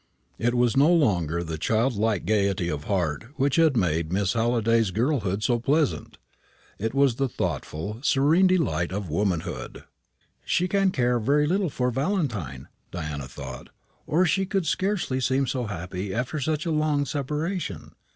It was no longer the childlike gaiety of heart which had made Miss Halliday's girlhood so pleasant. It was the thoughtful, serene delight of womanhood. "She can care very little for Valentine," Diana thought, "or she could scarcely seem so happy after such a long separation.